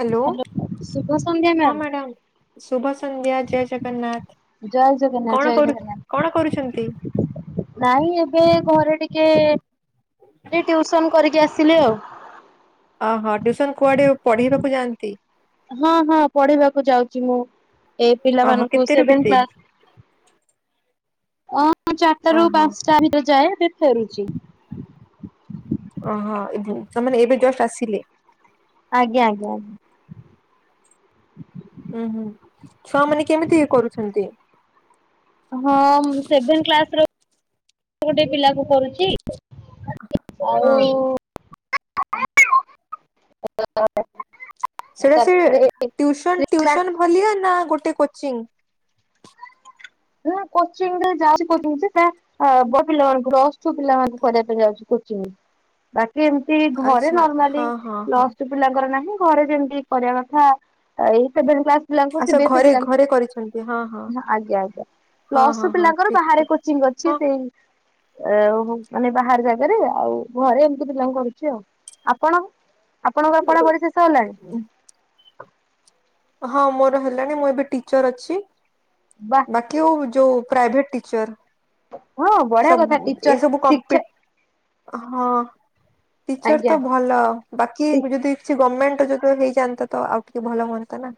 Hello ଶୁଭ ସନ୍ଧ୍ୟା ହଁ ମ୍ୟାମ୍। ମ୍ୟାଡ଼ାମ। ଶୁଭ ସନ୍ଧ୍ୟା ଜୟ ଜଗନ୍ନାଥ। ଜୟ ଜଗନ୍ନାଥ କଣ ଜୟ କରୁ ଜଗନ୍ନାଥ କଣ କରୁଛନ୍ତି? ନାଇଁ ଏବେ ଘରେ ଟିକେ ଟୁସନ କରିକି ଆସିଲେ ଆଉ। ଓହୋ ଟ୍ୟୁସନ କୁଆଡେ ପଢ଼େଇବାକୁ ଯାଆନ୍ତି? ହଁ ହଁ ପଢିବାକୁ ଯାଉଛି ମୁଁ ଏ ଓହୋ ପିଲାମାନଙ୍କୁ କେତେରୁ ସେଭେ୍ନ କେତେ? କ୍ଲାସ। ଅ ଚାରିଟା ରୁ ଓହୋ ପାଞ୍ଚଟା ଭିତରେ ଯାଏ ଏବେ ଫେରୁଛି। ଓହୋ ଏବୋ ତାହେଲେ ଏବେ ଜଷ୍ଟ ଆସିଲେ। ଆଜ୍ଞା ଆଜ୍ଞା ଆଜ୍ଞା। ଉୁଁ ହୁଁ ଛୁଆ ମାନେ କେମିତି କରୁଛନ୍ତି। ହଁ ମୁ ସେଭେନ କ୍ଲାସ ର ଗୋଟେ ପିଲା କୁ କରୁଛି। ଆଉ ହଁ [unintelligible] ସେଇଟା ସେ ତାପରେ ଥ୍ରୀ କ୍ଲାସ ତିଅସନ ଭଳିଆ ନା ଗୋଟେ କୋଚିଂ? ନା କୋଚିଂ ରେ ଯାଉଚି କୋଚି ସେ ହ ବ ପିଲାମାନଙ୍କୁ ଲ ସବୁ ପିଲାମାନାନଙ୍କୁ କରିବା ପାଇଁ ଯାଉଚି କୋଚିଂ ବା କେମିତି ଘରେ ଆଚ୍ଛା ନର୍ମାଲି ହଁ ହଁ ହଁ ନଷ୍ଟ ପିଲାଙ୍କର ନାହିଁ ଘରେ ଯେମତି କରିବା କଥା ଏଇ ଫେବୃଆରି କ୍ଲାସ ପିଲାଙ୍କୁ ଆଚ୍ଛା ସିବିଏସି ଘରେ ଘରେ ପିଲାଙ୍କୁ କରିଛନ୍ତି ହଁ ହଁ। ଆଜ୍ଞା ଆଜ୍ଞା। ହଁ ହଁ ପ୍ଲଷ୍ଟୁ ହଁ ପିଲାଙ୍କର ଠିକ ବାହାରେ ଠିକ କୋଚିଂ ଅଛି। ହଁ। ସେଇ ଏଉ ହୁ ମାନେ ବାହାର ଜାଗାରେ ଆଉ ଘରେ ଏମତି ପିଲାଙ୍କୁ କରୁଚି ଆଉ। ଆପଣ ଆପଣଙ୍କର ପଢାପଢି ଶେଷ ହେଲାଣି? ହଁ ମୋର ହେଲାଣି ମୁଁ ଏବେ ଟିଚର ଅଛି। ବା। ବାକି ଆଉ ଯୋଉ ପ୍ରାଇଭେଟ ଟିଚର୍। ହଁ ବଢିଆ ସବ୍ କଥା ଟିଚର ଏସବୁ କମ୍ପି ଶିକ୍ଷା ହଁ ଟିଚର ଆଜ୍ଞା ତ ଭଲ। ବାକି ଯଦି କିଛି ଗମେଣ୍ଟ ଯଦ ହେଇଯାନ୍ତା ତ ଆଉ ଟିକେ ଭଲ ହୁଅନ୍ତା ନା।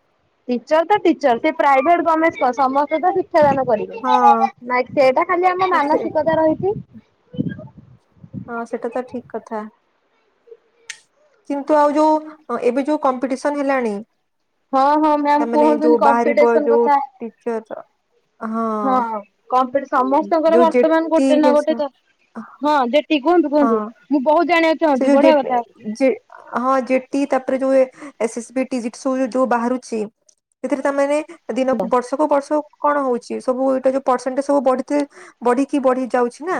ଟିଚର ତ ଟିଚର ସେ ପ୍ରାଇଭେଟ ଗମେଣ୍ଟ କଣ ସମସ୍ତେ ତ ଶିକ୍ଷାଦାନ କରି ହଁ। ନାଇଁ ସେଇଟା ଖାଲି ଆମ ସେ ମାନସିକତା ରହିଚି। ହଁ ସେଟା ତ ଠିକ କଥା। କିନ୍ତୁ ଆଉ ଯୋଉ ଏବେ ଯୋଉ କମ୍ପିଟିସନ ହେଲାଣି ହଁ ହଁ ମ୍ୟାମ୍ ତାମାନେ କୁହନ୍ତୁନି ଯୋଉ ବାହାରିବ କମ୍ପିଟିସନ ଯୋଉ କଥା। ଟିଚର ହଁ ଆଉ କମ୍ପିଟି ସମସ୍ତଙ୍କର ଯୋଉ ବର୍ତ୍ତମାନ ଯେଟି ଗୋଟେ ନା ଗୋଟେ ତ ହଁ ଯେଠି କୁହନ୍ତୁ ହଁ କୁହନ୍ତୁ ମୁଁ ବୋହୁତ ଜାଣିବାକୁ ସେ ଚାହୁଁଛି ଯୋଉ ବଢିଆ ଡେଟ କଥା ଇ ଜେ ହଁ ଜେଟି ତାପରେ ଯୋଉ A S S B T ଜିଟ୍ ଶୋ ଯୋଉ ବାହାରୁଚି। ସେଥିରେ ତାମାନେ ଦିନ ବର୍ଷକୁୁ ବର୍ଷ କଣ ହଉଚି ସବୁ ଏଇଟା ଯୋଉ ପରସେଣ୍ଟେ ସବୁ ବଢିତେ ବଢିକି ବଢି ଯାଉଚି ନା।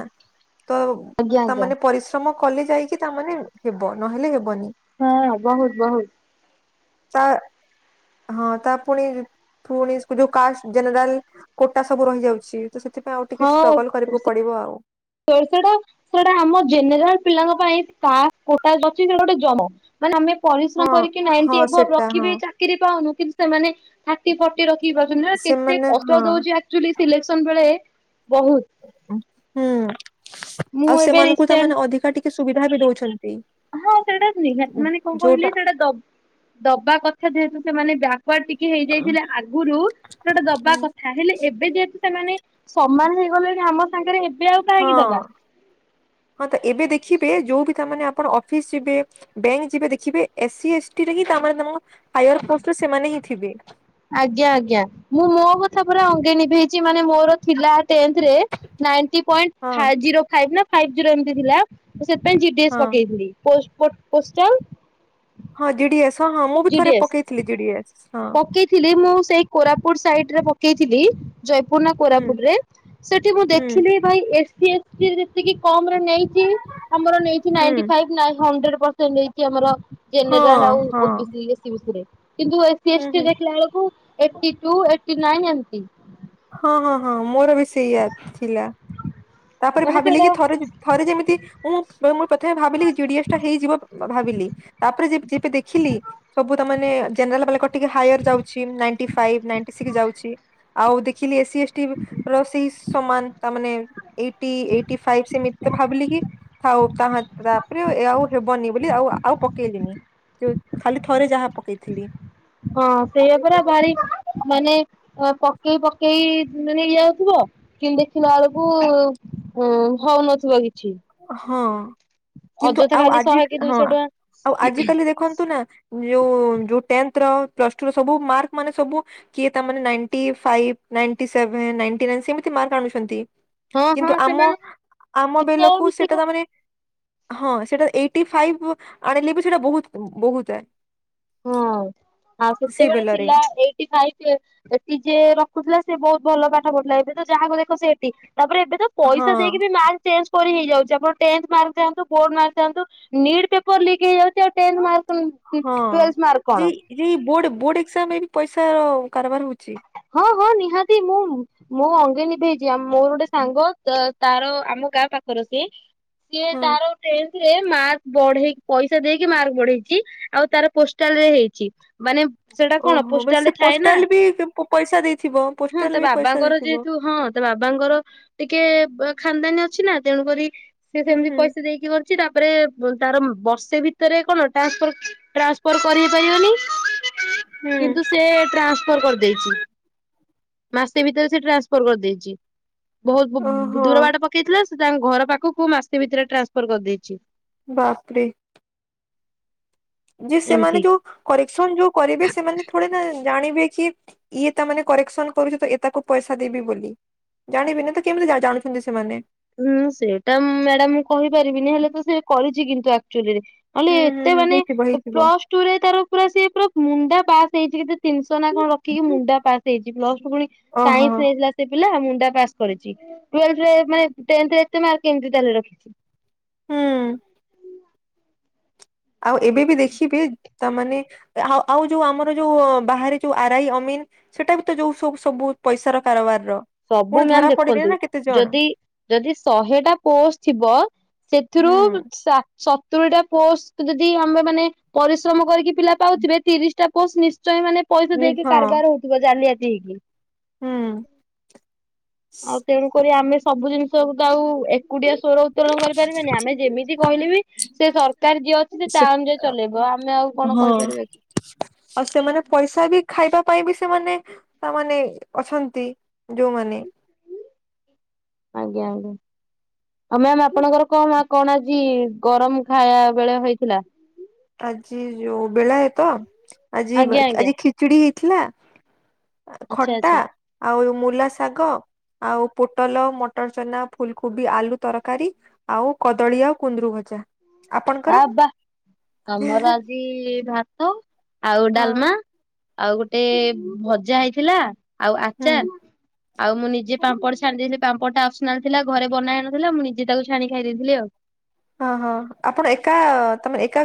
ତ ଆଜ୍ଞା ତା ଆଜ୍ଞା ମାନେ ପରିଶ୍ରମ କଲେ ଯାଇକି ତା ମାନେ ହେବ ନହେଲେ ହେବନି। ହଁ ବୋହୁତ ବୋହୁତ। ତା ହଁ ତା ପୁଣି ଫୁଣି ଯୋଉ କାଷ୍ଟ ଜେନେରାଲ କୋଟା ସବୁ ରହିଯାଉଚି ତ ସେଥିପାଇଁ ଆଉ ଟିକେ ଷ୍ଟ୍ରଗଲ୍ କରିବାକୁ ପଡିବ ଆଉ। ଅ ସେଟା ସେଟା ଆମ ଜେନେରାଲ ପିଲାଙ୍କ ପାଇଁ କାଷ୍ଟ କୋଟା ଅଛି ସେଟା ଗୋଟେ ଜୋ ମାନେ ଆମେ ପରିଶ୍ରମ ହଁ କରିକି ହଁ ନାଇଣ୍ଟି ଏଭବ୍ ସେଟା ହଁ ରଖିବେ ଚାକିରି ପାଉନୁ କିନ୍ତୁ ସେମାନେ ଥାର୍ଟି ଫର୍ଟି ରଖି ପାଉଚନ୍ତି ରେ କେତେ ସେମାନେ କଷ୍ଟ ହଁ ଦୋଉଚି ଆକଚୋଲି ସିଲେକ୍ସନ ବେଳେ ବୋହୁତ। ହୁଁ ମୁଁ ଆଉ ଏବେ ସେମାନଙ୍କୁ ତାମାନେ ରିସେଣ୍ଟ ଅଧିକା ଟିକେ ସୁବିଧା ବି ଦୋଉଛନ୍ତି। ହଁ ସେଇଟା ନିହାତି ମାନେ କଣ କହିଲେ ସେଟା ଦ ଦବା କଥା ଯେହେତୁ ସେମାନେ ବ୍ୟାକୱାର୍ଡ ଟି କି ହେଇଯାଇଥିଲେ ଆଗୁରୁ ସେଟା ଦବା କଥା ହେଲେ ଏବେ ଯେହେତୁ ସେମାନେ ସମାନ ହେଇଗଲେଣି ଆମ ସାଙ୍ଗରେ ଏବେ ଆଉ କାହିଁକି ହଁ ଦବା। ହଁ ତ ଏବେ ଦେଖିବେ ଯୋଉ ବି ତାମାନେ ଆପଣ ଅଫିସ ଯିବେ ବ୍ୟାଙ୍କ ଯିବେ ଦେଖିବେ ଏସି ଏସ୍ଟି ରେ ହିଁ [unintelligible] କାମ ରେ ତମ ହାଇଅର୍ ପୋଷ୍ଟରେ ସେମାନେ ହିଁ ଥିବେ। ଆଜ୍ଞା ଆଜ୍ଞା ମୁଁ ମୋ କଥା ପରା ଅଙ୍ଗେ ନିଭେଇଚି ମାନେ ମୋର ଥିଲା ଟେନ୍ଥ ରେ ନାଇଣ୍ଟି ପଏଣ୍ଟ ହଁ ଫାଏ ଜିରୋ ଫାଇଭ୍ ନା ଫାଇଭ୍ ଜିରୋ ଏମତି ଥିଲା। ସେଥିପାଇଁ ଜି ଡି ହଁ ଏସ ପକେଇଥିଲି। ପୋଷ୍ଟ ପୁଟ ପୋଷ୍ଟ ହଁ ଜି ଡି ଏସ ହଁ ହଁ ମୁଁ ବି ଥରେ ପକେଇଥିଲି ଜି ଡି ଏସ ହଁ। ପକେଇଥିଲେ ମୁଁ ସେଇ କୋରାପୁଟ ସାଇଟରେ ପକେଇଥିଲି। ଜୟପୁର ନା ହୁଁ କୋରାପୁଟରେ ସେଠି ମୁଁ ହୁଁ ଦେଖିଲି ଭାଇ ଏ ସି ବି ଏଫ୍ ରେ ଯେତିକି କମ ରେ ନେଇଚି ଆମର ନେଇଚି ହୁଁ ନାଇଣ୍ଟି ଫାଇଭ୍ ନାଇଁ ହଣ୍ଡ୍ରେଡ୍ ପର୍ସେଣ୍ଟ ନେଇଚି ଆମର ହଁ ଜେନେରାଲ ଆଉ ହଁ O B C A C B C ରେ କିନ୍ତୁ ଏଇ ଏ ସି ଏ ହୁଁ ଷ୍ଟି ହୁଁ ଦେଖିଲା ଏଳକୁ ଏଇଟି ଟୁ ଏଇଟି ନାଇନ୍ ଏମିତି। ହଁ ହଁ ହଁ ମୋର ବି ସେଇ ୟା ଥିଲା। ତାପରେ ମାନେ ଭାବିଲି ସେଇଟା କି ଥରେ ଥରେ ଯେମିତି ମୁଁ [unintelligible] ପ୍ରଥମେ ଭାବିଲି କି ଜି ଡି ଏସ୍ ଟା ହେଇଯିବ। ଭାବିଲି ତାପରେ ଯେବ ଯେବେ ଦେଖିଲି ସବୁ ତମେ ମାନେ ଜେନେରାଲ କଟିକି ହାଇର ଯାଉଛି ନିଣ୍ଟିଫାଇଭ ନାଏଣ୍ଟୀସିକ୍ସ ଯାଉଚି ଆଉ ଦେଖିଲି ଏ ସି ଏସ୍ ଟି ର ସେଇ ସମାନ ତା ମାନେ ଏଇଟି ଏଇଟି ଫାଇଭ୍ ସେମିତି ତ ଭାବିଲି କି ଥାଉ ତାହା ତାପରେ ଆଉ ହେବନି ବୋଲି ଆଉ ଆଉ ପକେଇଲିନି। ଯୋଉ ଖାଲି ଥରେ ଯାହା ପକେଇଥିଲି। ହଁ ସେଇଆ ପୁରା ଭାରି ମାନେ ପକେଇ ପକେଇ ମାନେ ନେଇ ଯାଉଥିବ କି ଦେଖିଲା ବେଳକୁ ଅ ହୋଉନଥିବ କିଛି। ହଁ କିନ୍ତୁ ଅଯଥା ଆଉ ଖାଲି ଆଜି ଶହେ କି ହଁ ଦୁଇଶହ ଟଙ୍କା ଆଉ ଆଜିିକାଲି ଦେଖନ୍ତୁ ନା ଯୋଉ ଯୋଉ ଟେନଥ ର ପ୍ଲସ ଟୁ ର ସବୁ ମାର୍କ ମାନେ ସବୁ କିଏ ତା ninety five ninety seven ninety nine ସେମିତି ମାର୍କ ଆଣୁଛନ୍ତି। ହଁ ହଁ କିନ୍ତୁ ଆମ ସେମାନଙ୍କୁ ଆମ ବିଷୟ ବେଲକୁ ସେଟା ଭିତ୍ତିକ ତମେ ହଁ ସେଟା ଏଇଟି ଫାଇଭ୍ ଆଣିଲେ ବି ସେଇଟା ବହୁତ୍ ବହୁତ୍ ଥାଏ। ହୁଁ ଆଉ ସେ ସେତେବେଳେ ବେଲରେ ଥିଲା ଏଇଟି ଫାଇଭ୍ ଏଠି ଯିଏ ରଖୁଥିଲା ସେ ବହୁତ୍ ଭଲ ପାଠ ପଢୁଥିଲା ଏବେ ତ ଯାହାକୁ ଦେଖ ସେ ଏଠି ତାପରେ ଏବେ ତ ହଁ ପଇସା ଦେଇକି ବି ମାର୍କ ଚେଞ୍ଜ କରି ହେଇଯାଉଛି ଆପଣ ଟେନ୍ତଃ ମାର୍କ ଯଆନ୍ତୁ ବୋର୍ଡ ମାର୍କ ଯାଆନ୍ତୁ ନିଟ୍ ପେପର ଲିକ ହେଇଯାଉଚି ଆଉ ଟେନ୍ତଃ ମାର୍କ ହଁ ଟୁଏଲ୍ଥ ମାର୍କ ଯେ କଣ ଯେ ବୋର୍ଡ ଏକ୍ସାମରେ ବି ପଇସାର କାରବାର ହଉଚି। ହଁ ହଁ ନିହାତି ମୁଁ ମୁଁ ଅଙ୍ଗେ ନିଭେଇଛି ମୋର ଗୋଟେ ସାଙ୍ଗ ତ ତାର ଆମ ଗାଁ ପାଖର ସିଏ ସିଏ ହଁ ତାର ଟେନ୍ଥରେ ମାର୍କ ବଢେଇ ପଇସା ଦେଇକି ମାର୍କ ବଢେଇଛି ଆଉ ତାର ପୋଷ୍ଟାଲରେ ହେଇଛି। ମାନେ ସେଟା କଣ ପୋଷ୍ଟାରେ ଥାଏ ନା। କୁ ପଇସା ଦେଇଥିବ। ହଁ ପୋଷ୍ଟାଲ ତା ବି ପଇସା ବାବାଙ୍କର ଦେଇଥିବ। ଯେହେତୁ ହଁ। ତା ବାବାଙ୍କର ଟିକେ ଖାନଦାନୀ ଅଛି ନା ତେଣୁକରି ସେ ହୁଁ ସେମିତି ହୁଁ ପଇସା ଦେଇକି କରି ଛି ତାପରେ ତାର ବର୍ଷେ ଭିତରେ କଣ ଟାନ୍ସପର୍ ଟ୍ରାନ୍ସଫର କରିବି ପାରିବନି ହୁଁ। କିନ୍ତୁ ସେ ଟ୍ରାନ୍ସଫର କରିଦେଇଛି। ମାସେ ଭିତରେ ସେ ଟ୍ରାନ୍ସଫର କରିଦେଇଛି ବହୁତ୍ ଓହୋ ଦୂର ବାଟ ପକେଇଥିଲା। ତାଙ୍କ ଘର ପାଖକୁ ମାସେ ଭିତରେ ଟ୍ରାନ୍ସଫର କରିଦେଇଛି। ବାପରେ। ଯେ ଏମିତି। ସେମାନେ ଯୋଉ କରେକ୍ସନ ଯୋଉ କରିବେ ସେମାନେ ଥଡ଼ିନା ଜାଣିବେ କି ଇଏ ତାମାନେ କରେକ୍ସନ କରୁଚି ତ ଇଏ ତାକୁ ପଇସା ଦେବି ବୋଲି। ଜାନିବେନା ତ କେମିତି ଜା ଜାଣୁଛନ୍ତି ସେମାନେ? ହୁଁ ସେଇଟା ମ୍ୟାଡାମ ମୁଁ କହିପାରିବିନି ହେଲେ ତ ସେ କରିଛି କିନ୍ତୁ ଆକ୍ଚୁଆଲିରେ। ନହଲେ ହୁଁ ହୁଁ ଏତେ ହୁଁ ମାନେ ହେଇଥିବ ହେଇଥିବ ପ୍ଲସ୍ ଟୁରେ ତାର ପୁରା ସେ ପୁରା ମୁଣ୍ଡା ପାସ୍ ହେଇଚି କେତେ ତିନିଶହ ନା କଣ ରଖିକି ମୁଣ୍ଡା ପାସ୍ ହେଇଛି ପ୍ଲସ୍ ଟୁ ଫୁଣି ଓହୋ ସାଇନ୍ସ ନେଇଥିଲା ସେ ପିଲା ମୁଣ୍ଡା ପାସ୍ କରିଚି ଟୁ ଏଲ୍ଥରେ ମାନେ ଟେନ୍ଥରେ ଏତେ ମାର୍କ କେମିତି ତାହେଲେ ରଖିଛି। ହୁଁ। ଆଉ ଏବେ ବି ଦେଖିବେ ତାମାନେ ଆ ଆଉ ଯୋଉ ଆମର ଯୋଉ ବାହାରେ ଯୋଉ ଆରାଇ ଅମିନ ସେଇଟା ବି ତ ଯୋଉ ସବୁ ସବୁ ପଇସାର କାରବାର ର। ସବୁ ପୁଣି ମ୍ୟାାମ ଧରା ପଡିଲେ ଦେଖନ୍ତୁ ନା କେତେ ଜଣ ଯଦି ଯଦି ଶହେଟା ପୋଷ୍ଟ ଥିବ ସେଥିରୁ ହୁଁ ସା ସତୁରି ଟା ପୋଷ୍ଟ ଯଦି ଆମେ ମାନେ ପରିଶ୍ରମ କରିକି ପିଲା ପାଉଥିବେ ତିରିଶ ଟା ପୋଷ୍ଟ ନିଶ୍ଚୟ ମାନେ ପଇସା ନି ଦେଇକି ହଁ କାରବାର ହଉଥିବ ଜାଲିିଆତି ହେଇକି। ହୁଁ। ଆଉ ତେଣୁକରି ଆମେ ସବୁ ଜିନିଷକୁ ତ ଆଉ ଏକୁଟିଆ ସ୍ୱର ଉତ୍ତୋରଣ କରିପାରିବେନି ଆମେ ଯେମିତି କହିଲେ ବି ସେ ସରକାର ଯିଏ ଅଛିନ୍ତି ସେ ତାଅନୁଯାୟୀ ଚଲେଇବ ଆମେ ଆଉ କଣ ହଁ କହିପାରିବା କି? ଆଉ ସେମାନେ ପଇସା ବି ଖାଇବା ପାଇଁ ବି ସେମାନେ ତାମାନେ ଅଛନ୍ତି ଯୋଉମାନେ। ଆଜ୍ଞା ଆଜ୍ଞା। ଆଉ ମ୍ୟାମ ଆପଣଙ୍କର କଣ କଣ ଆଜି ଗରମ ଖାଇବା ବେଳେ ହେଇଥିଲା? ଆଜି ଯୋଉ ବେଳାଏତ ଆଜି ଆଜ୍ଞା ବା ଆଜ୍ଞା ଆଜି ଖିଚୁଡ଼ି ହେଇଥିଲା। ଆଁ ଆଚ୍ଛା ଖଟା ଆଚ୍ଛା ଆଉ ମୂଲା ଶାଗ। ଆଉ ପୋଟଲ ମଟର ଚନା ଫୁଲକୋବି ଆଲୁ ତରକାରୀ। ଆଉ କଦଳୀ ଆଉ କୁନ୍ଦୁରୁ ଭଜା ଆ ଆପଣଙ୍କର? ବା ଆମର ଆ ଜି ଭାତ ଆଉ ହଁ ଡ଼ାଲମା ଆଉ ଗୋଟେ ଭଜା ହେଇଥିଲା। ଆଉ ହୁଁ ଆଚାର। ଆଉ ମୁଁ ନିଜେ ପାମ୍ପଡ ଛାଣି ଦେଇଥିଲି ପାମ୍ପଡ ଟା ଆସନା ଥିଲା ଘରେ ବନା ହେଇ ନଥିଲା ମୁଁ ନିଜେ ତାକୁ ଛାଣି ଖାଇ ଦେଇଥିଲି ଆଉ। ହଁ ହଁ ଆପଣ ଏକା ତମେ ଏକା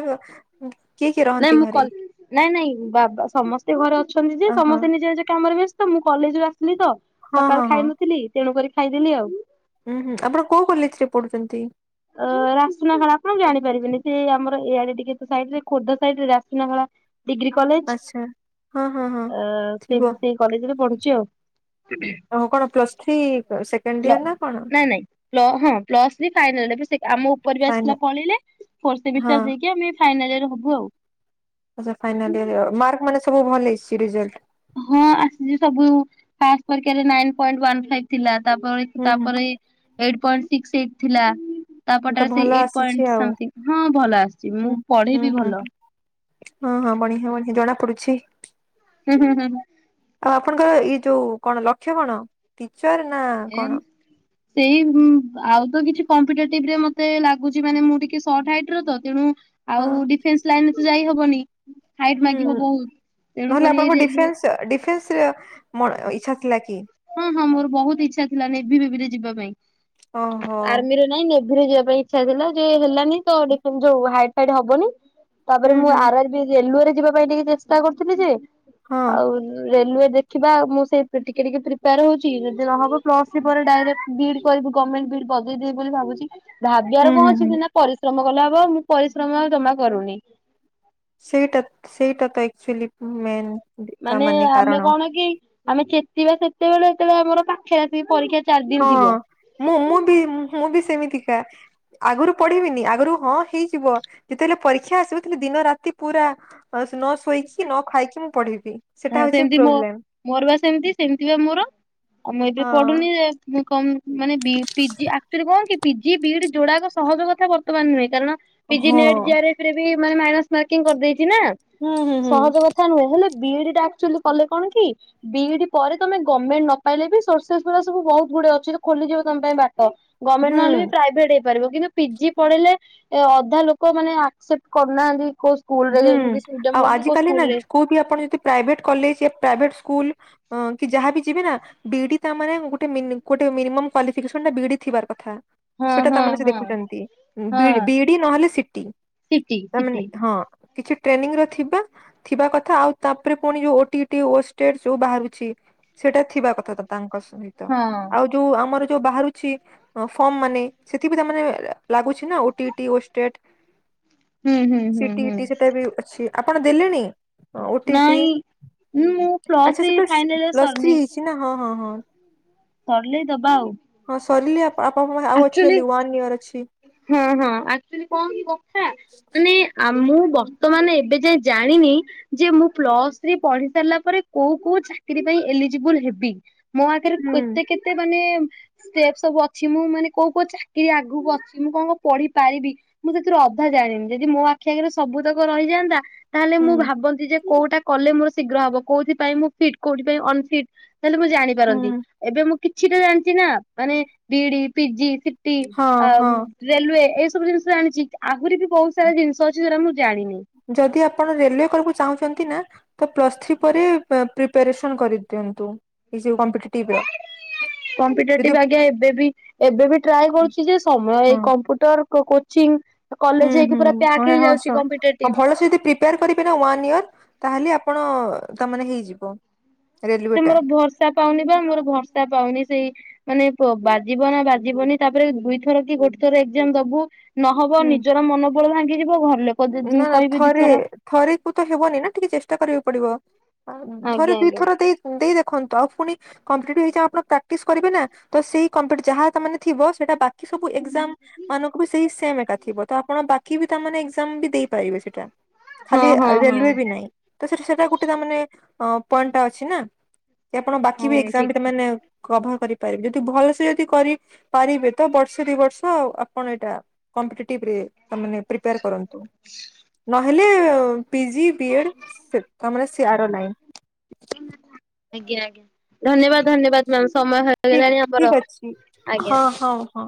କିଏ କିଏ ନାଇଁ ରହନ୍ତି ମୁଁ କ ଘରେ ନାଇଁ ନାଇଁ ବାବା ସମସ୍ତେ ଘରେ ଅଛନ୍ତି ଯେ ଓହୋ ସମସ୍ତେ ନିଜେ ନିଜ କାମରେ ବ ତ ମୁଁ କଲେଜରୁୁ ଆସିଲି ତ ହଁ ହଁ ସକାଳୁ ହଁ ଖାଇନଥିଲି ତେଣୁ କରି ଖାଇଦେଲି ଆଉ। ଉଁ ହୁଁ ଆପଣ କୋଉ କଲେଜ ରେ ପଢୁଛନ୍ତି? ଅ ରାସୁନା ଖେଳା ଆପଣ ଜାଣିପାରିବେନି ସେ ଆମର ଏଇଆଡେ ଟିକେ ତ ସାଇଡ ରେ ଖୋର୍ଦ୍ଧା ସାଇଡ ରେ ରାସୁନା ଖେଳା ଡିଗ୍ରୀ କଲେଜ ଆଚ୍ଛା ହଁ ହଁ ହଁ ଅ ସେ ଥିବ ସେ କଲେଜରେ ପଢୁଛି ଆଉ। ଓହୋ କଣ ପ୍ଲସ୍ ଥ୍ରୀ ସେକେଣ୍ଡ ପ୍ଳ ଇୟର ନା କଣ? ନାଇଁ ନାଇଁ ପ୍ଲ ହଁ ପ୍ଲସ୍ ଥି ଫାଇନାଲ ଏବେ ସେ ଆମ ଉପରେ ବି ଫାଇନା ଆସିଥିଲା ପଳେଇଲେ ଫୋର୍ ହଁ ସେମିଷ୍ଟର ଦେଇକି ଆମେ ଫାଇନାଲ ଉୟର ହବୁ ଆଉ। ଆଚ୍ଛା ଫାଇନାଲ ଇୟର ମାର୍କ ମାନେ ସବୁ ଭଲ ହେଇଛି ରେଜଲ୍ଟ? ହଁ ଆସିଛି ସବୁ ଫାର୍ଷ୍ଟ ପରୀକ୍ଷା ରେ ନାଇନ ପଏଣ୍ଟ ୱାନ ଫାଇପ ଥିଲା ତାପରେ ହୁଁ ହୁଁ ତାପରେ ଏଇଟ ପଏଣ୍ଟ ସିକ୍ସ ଏଇଟ ଥିଲା। ତାପର ତ ଟା ସେ ଭଲ ଏଇଟ ଆସିଛି ପଏଣ୍ଟ ଆଉ ସମଥିଙ୍ଗ ହଁ ଭଲ ଆସିଛି ହୁଁ ମୁଁ ହୁଁ ପଢେଇବି ହୁଁ ଭଲ। ହଁ ହଁ ବଢିଆ ବା କି ଜଣା ପଡୁଛି। ହୁଁ ହୁଁ ହୁଁ ହୁଁ। ଆଉ ଆପଣଙ୍କର ଇ ଯୋଉ କଣ ଲକ୍ଷ୍ୟ କଣ ଟିଚର ନା ଏ କଣ? ସେଇ ଉଁ ଆଉ ତ କିଛି କମ୍ପିଟେଟିଭରେ ମତେ ଲାଗୁଛି ମାନେ ମୁଁ ଟିକେ ସଟ ହାଇଟ ର ତ ତେଣୁ ହଁ ଆଉ ଡିଫେନ୍ସ ଲାଇନ ରେ ତ ଯାଇ ହବନି। ହାଇଟ୍ ହୁଁ ମାଗିବ ବହୁତ ତେଣୁକରି ଏଇ ରେଲୱେ ଡିଫେନ୍ସରେ ମୋ ଇଚ୍ଛା ଥିଲା କି? ହୁଁ ହୁଁ ମୋର ବହୁତ ଇଚ୍ଛା ଥିଲା ନେଭି ଫେଭିରେ ଯିବା ଓହୋ ପାଇଁ ଆର୍ମି ରେ ନାଇଁ ନେଭିରେ ଯିବା ପାଇଁ ଇଚ୍ଛା ଥିଲା ଯେ ହେଲାନି ତ ଡିଫେନ୍ ଯୋଉ ହାଇଟ ଫାଇଟ ହବନି। ତାପରେ ହୁଁ ମୁଁ ହୁଁ ଆର ଆର ବି ରେଲୱେ ରେ ଯିବା ପାଇଁ ଟିକେ ଚେଷ୍ଟା କରୁଥିଲି ଯେ ହଁ ଆଉ ରେଲୱେ ଦେଖିବା ମୁଁ ସେଇ ଟିକେ ଟିକେ ପ୍ରି ପ୍ରିପାୟର ହଉଛି ଯଦି ନହବ ପ୍ଲସ ଥ୍ରି ପରେ ଡାଇରେକ୍ଟ ବି ଇ ଡି କରିବି ଗମେଣ୍ଟ ବି ଇ ଡି ବଜେଇଦେବି ବୋଲି ଭାବୁଛି। ଭାବିବାର ହୁଁ ହୁଁ କଣ ଅଛି ହୁଁ ସିନା ପରିଶ୍ରମ କଲେ ହବ ମୁଁ ପରିଶ୍ରମ ଆଉ ଜମା କରୁନି। ସେଇଟା ସେଇଟା ତ ଆକଚୁଲି ମେନ୍। ତା ମାନେ ଆମେ କାରଣ କଣ କି ଆମେ ଚେତିବା ସେତେବେଳେ ଯେତେବେଳେ ଆମର ପାଖରେ ଆସିକି ପରୀକ୍ଷା ଚାରି ଦିନ ହଁ ଥିବ। ମୁଁ ମୁଁ ବି ମୁଁ ବି ସେମିତିକା। ଆଗରୁ ପଢିବିନି ଆଗରୁ ହଁ ହେଇଯିବ ଯେତେବେଳେ ପରୀକ୍ଷା ଆସିବ ସେତେବେଳେ ଦିନ ରାତି ପୁରା ଆଉ ନ ଶୋଇକି ନ ଖାଇକି ମୁଁ ପଢିବି। ହଁ ସେଟା ହଉଛି ସେମିତି ମୋ ପ୍ରୋବ୍ଲେମ ମୋର ବା ସେମିତି ସେମିତି ବା ମୋର। ଆଉ ମୁଁ ଏବେ ହଁ। ପଢୁନି ଯେ ମୁଁ କ ମାନେ ପି ପି ଜି ଆକଚୁଲି କଣ କି ପି ଜି ବି ଡି ଯୋଉ ଗୁଡାକ ସହଜ କଥା ବର୍ତ୍ତମାନ ନୁହେଁ କାରଣ। ପି ଜି ହୁଁ ନେଟ ଜାରେ ସେରେ ବି ମନେ ମାଇନସ ମାର୍କିଂ କରିଦେଇଛି ନା ହୁଁ ହୁଁ ସହଜ କ କଥା ନୁହେଁ ହେଲେ ବି ଇ ଡି ଟା ଆକଚୁଲି କଲେ କଣ କି ବି ଇ ଡି ପରେ ତମେ ଗମେଣ୍ଟ ନ ପାଇଲେ ବି ସୋର୍ସେସ ଗୁରା ସବୁ ବହୁତ ଗୁଡେ ଅଛି ଖୋଲିଯିବ ତମ ପାଇଁ ବାଟ। ଗମେଣ୍ଟ ହୁଁ ନହେଲେ ବି ପ୍ରାଇଭେଟ ପାରିବ କିନ୍ତୁ ପି ଜି ପଢେଇଲେ ଏ ଅଧା ଲୋକ ମାନେ ଆକସେପ୍ଟ କରୁନାହାନ୍ତି କ ହୁଁ ଆଉ ଆଜି କାଲି ନା କୋଉ ବି ଆପଣ ଯଦି ପ୍ରାଇଭେଟ କଲେଜ ୟା ପ୍ରାଇଭେଟ ସ୍କୁଲ ହଁ କି ଯାହାବି ଯିବେ ନା ବିଇଡି ତା ମାନେ ଗୋଟେ ମିନି ଗୋଟେ ମିନିମ କ୍ୟୁଲିଫି କେଷନରେ ବିଡି ଥିବାର କଥା। ହଁ ସେଟା ହଁ ତାମାନେ ସେ ହଁ ଦେଖୁଛନ୍ତି ବି ହଁ ବିଡି ନହେଲେ ସିଟି ସିଟି ତାମାନେ ସିଟି ହଁ। କିଛି ଟ୍ରେନିଂ ର ଥିବା ଥିବା କଥା ଆଉ ତାପରେ ପୁଣି ଯୋଉ ଓଟିଟି ଓଷ୍ଟେଯେ ଯୋଉ ବାହାରୁଛି। ସେଇଟା ଥିବା କଥା ତ ତାଙ୍କ ସହିତ। ହଁ। ଆଉ ଯୋଉ ଆମର ଯୋଉ ବାହାରୁଛି ପଫର୍ମ ମାନେ ସେଥି ବି ତା ମାନେ ଲାଗୁଛି ନା ଓଟିଟି ଓଷ୍ଟେଟ ହୁଁ ହୁଁ ହୁଁ। ଓ ଟି ହୁଁ ଟି ସେତେବି ଅଛି ଆପଣ ଦେଲେଣି। ଓ ଟି ଟି ନାଇଁ ମୁଁ ପ୍ଲସ୍ ଆଛା ଥ୍ରୀ ସେତେବେଳେ ଫାଇନାଲ ପ୍ଲସ୍ ସରିନି ଥ୍ରୀ ହେଇଛି ନା ହଁ ହଁ ହଁ। ସରିଲେ ଦବା ଆଉ। ହଁ ସରିରେ ଆ [unintelligible] ଆଚୁଲି ହଁ ହଁ ଆଚୁଲି କଣ କି କଥା ମାନେ ଆ ମୁଁ ବର୍ତ୍ତମାନ ଏବେ ଯାଏଁ ଜାଣିନି ଯେ ମୁଁ ପ୍ଲସ ଥ୍ରି ପଢ଼ି ସାରିଲା ପରେ କୋଉ କୋଉ ଚାକିରି ପାଇଁ ଏଲିଜିବୁଲ ହେବି। ମୋ ଆଗରେ ହୁଁ କେତେ କେତେ ମାନେ ଷ୍ଟେପ ସବୁ ଅଛି ମୁଁ ମାନେ କୋଉ କୋଉ ଚାକିରି ଆଗକୁ ଅଛି ମୁଁ କଣ କଣ ପଢ଼ିପାରିବି? ମୁଁ ସେଥିରୁ ଅଧା ଜାଣିନି ଯଦି ମୋ ଆଖି ଆଗରେ ସବୁତକ ରହିଯାଆନ୍ତା। ତାହେଲେ ହୁଁ ମୁଁ ଭାବନ୍ତି ଯେ କୋଉଟା କଲେ ମୋର ଶୀଘ୍ର ହବ କୋଉଥି ପାଇଁଁ ମୁଁ ଫିଟ୍ କୋଉଥି ପାଇଁ ଅନଫିଟ୍ ତାହେଲେ ମୁଁ ହୁଁ ଜାଣିପାରନ୍ତି ଏବେ ମୁଁ କିଛିଟା ଜାଣିଛି ନା ମାନେ ବିଇଡି, ପିଜି, ସି ଟି ହଁ ହଁ ଆଉ ରେଲୁୱେ ଏଇ ସବୁ ଜିନିଷ ଜାଣିଛି ଆହୁରି ବି ବହୁତ ସାରା ଜିନିଷ ଅଛି ଯୋଉଟା ମୁଁ ଜାଣିନି। ଯଦି ଆପଣ ରେଲୱେ କରିବାକୁ ଚାହୁଁଛନ୍ତି ନା ତ ପ୍ଲସ ଥ୍ରୀ ପରେ ପ୍ରିପାରେସନ କରିଦିଅନ୍ତୁ ଏଇ ଯୋଉ କମ୍ପିଟି ଟିପ୍ ର। ଯଦି କମ୍ପିଟେଟିଭ ଆଜ୍ଞା ଏବେ ବି ଏବେ ବି ଟ୍ରାଏ କରୁଛି ଯେ ହଁ ସମୟଏଇ କମ୍ପୁଟର କୋ କୋ ଚିଙ୍ଗ ହୁଁ କଲେଜ ହେଇକି ପୁରା ପ୍ୟାକ୍ ହେଇଯାଉଛି କମ୍ପିଟେଟିଭ। ଆପଣ ସେ ଯଦି ପ୍ରି ପେୟାର କରିବେନା ୱାନ ଇୟର ତାହେଲେ ଆପଣ ତାମାନେ ହେଇଯିବ। ରେଲୱେ ସେ ଟା ମୋର ଭରସା ପାଉନି ବା ମୋର ଭରସା ପାଉନି ସେଇ ମାନେ ପ ବାଜିବ ନା ବାଜିବନି ତାପରେ ଦୁଇଥର କି ଗୋଟେ ଥର ଏକ୍ଜାମ ଦବୁ। ନହବ ହୁଁ ନିଜର ମନବୋଳ ଭାଙ୍ଗିଯିବ ଘର ଲୋକ ନା ନା କହିବେ ଦିଥର। ଥରେ କୁ ତ ହେବନି ନା ଟିକେ ଚେଷ୍ଟା କରିବାକୁ ପଡ଼ିବ ଥରେ ଆଜ୍ଞା ଆଜ୍ଞା। ଦୁଇଥର ଦେଇ ଦେଇ ଦେଖନ୍ତୁ ଆଉ ଫୁଣି କମ୍ପିଟେଟିଭ ଏକ୍ଜାମ ଆପଣ ପ୍ରାଟିସ କରିବେ ନା ତ ସେଇ କମ୍ପିଟ ଯାହା ତା ମାନେ ଥିବ ସେଇଟା ବା କି ସବୁ ଏକ୍ଜାମ ମାନଙ୍କୁ ବି ସେଇ ସେମ ଏକା ଥିବ ତ ଆପଣ ବାକି ବି ତା ମାନେ ଏକ୍ଜା ଜାମ୍ ଦେଇପାରିବେ ସେଇଟା ହଁ ଖାଲି ହଁ ହଁ। ରେଲୱେ ବି ନାଇଁ। ତ ସେଟା ସେଟା ଗୋଟେ ତାମାନେ ପଏଣ୍ଟଟା ଅଛି ନା ଆପଣ ବାକିଵି ହଁ ଏକ୍କାମ ଠିକ ବି ତା ଠିକ ମାନେ କଭର କରିପାରିବେ ଯଦି ଭଲସେ ଯଦି କରିପାରିବେ ତ ବର୍ଷ ଦି ବର୍ଷ ଆପଣ ଏଇଟା କମ୍ପିଟିଟିବରେ ତାମାନେ ପ୍ରିପାୟାର କରନ୍ ନହେଲେ ପିଜି ବି ଏଡ଼ [unintelligible] ଆଜ୍ଞା ଆଜ୍ଞା ଧନ୍ୟବାଦ ଧନ୍ୟବାଦ ମ୍ୟାମ ସମୟ ହେ ଠିକ୍ ଠିକ୍ ଅଛି ହଁ ହଁ ହଁ।